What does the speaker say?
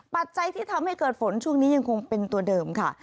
ปัจจัยที่ทำให้เกิดฝนช่วงนี้ยังคงเป็นตัวเดิมค่ะ